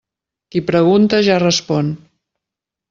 Qui pregunta, ja respon.